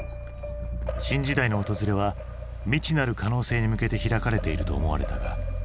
新時代の訪れは未知なる可能性に向けて開かれていると思われたが。